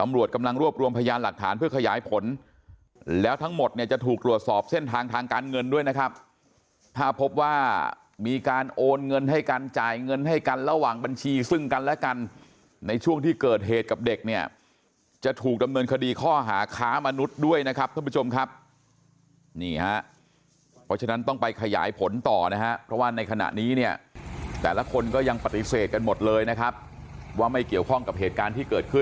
ตำรวจกำลังรวบรวมพยานหลักฐานเพื่อขยายผลแล้วทั้งหมดเนี่ยจะถูกรวดสอบเส้นทางทางการเงินด้วยนะครับถ้าพบว่ามีการโอนเงินให้กันจ่ายเงินให้กันระหว่างบัญชีซึ่งกันและกันในช่วงที่เกิดเหตุกับเด็กเนี่ยจะถูกดำเนินคดีข้อหาขามนุษย์ด้วยนะครับท่านผู้ชมครับนี่ฮะเพราะฉะนั้นต้